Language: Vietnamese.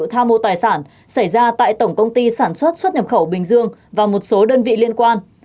tham mô tài sản xảy ra tại tổng công ty sản xuất xuất nhập khẩu bình dương và một số đơn vị liên quan